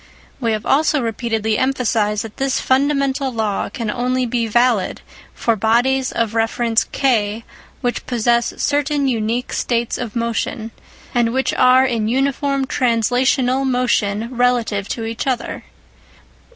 We have also repeatedly emphasised that this fundamental law can only be valid for bodies of reference K which possess certain unique states of motion, and which are in uniform translational motion relative to each other.